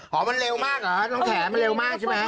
อ๋อมันเร็วมากเหรอน้องแถมมันเร็วมากใช่ไหม